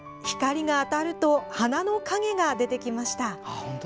光が当たると花の影が出てきました。